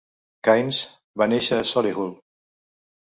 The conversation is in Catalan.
Caines va néixer a Solihull.